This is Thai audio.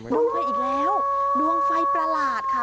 ดวงไฟอีกแล้วดวงไฟประหลาดค่ะ